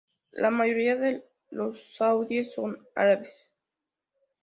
La mayoría de los saudíes son árabes.